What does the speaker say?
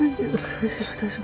大丈夫大丈夫。